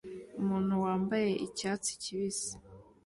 Umuntu wambaye icyatsi kibisi